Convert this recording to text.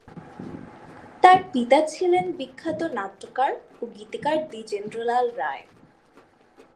তার পিতা ছিলেন বিখ্যাত নাট্যকার ও গীতিকার দ্বিজেন্দ্রলাল রায়।